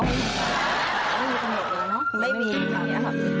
อ๋อไม่มีขนมเหอะเองนะไม่มีไม่มีนะครับ